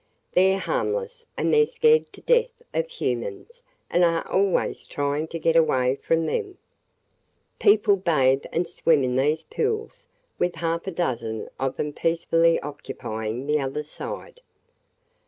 They 're harmless and they 're scared to death of humans and are always trying to get away from them. People bathe and swim in these pools with half a dozen of 'em peacefully occupying the other side."